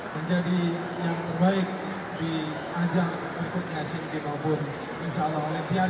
menjadi yang terbaik di ajang berikutnya esen kim maupun insya allah olympiade